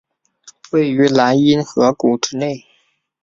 位于莱茵河谷之内。